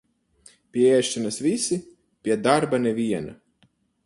Pie ēšanas visi, pie darba neviena.